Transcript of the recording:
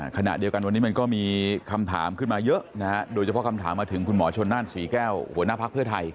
ขณะเดียวกันวันนี้มันก็มีคำถามขึ้นมาเยอะนะฮะโดยเฉพาะคำถามมาถึงคุณหมอชนนั่นศรีแก้วหัวหน้าภักดิ์เพื่อไทย